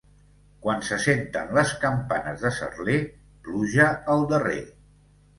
Quan se senten les campanes de Cerler, pluja al darrer.